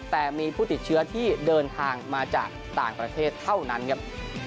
แต่มีผู้ติดเชื้อที่เดินทางมาจากต่างประเทศเท่านั้นครับ